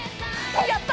やった！